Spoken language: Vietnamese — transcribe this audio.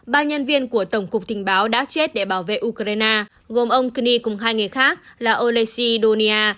ba nhân viên của tổng cục tình báo đã chết để bảo vệ ukraine gồm ông knyi cùng hai người khác là olesy donia